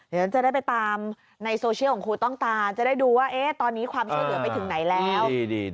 เดี๋ยวฉันจะได้ไปตามในโซเชียลของครูต้องตาจะได้ดูว่าตอนนี้ความช่วยเหลือไปถึงไหนแล้ว